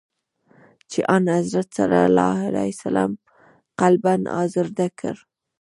چي آنحضرت ص یې قلباً آزرده کړ.